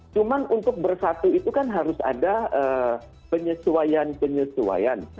cuma untuk bersatu itu kan harus ada penyesuaian penyesuaian